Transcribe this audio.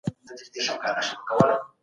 نو ښوونځي ته ولاړ سه.